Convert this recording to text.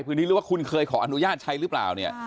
หรือว่าคุณเคยขออนุญาตใช้หรือเปล่าเนี่ย